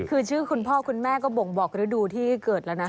คือชื่อคุณพ่อคุณแม่ก็บ่งบอกฤดูที่เกิดแล้วนะ